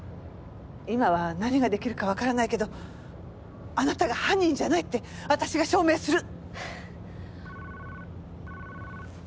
今は何が出来るかわからないけどあなたが犯人じゃないって私が証明する！